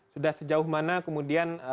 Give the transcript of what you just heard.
sudah sejauh mana kemudian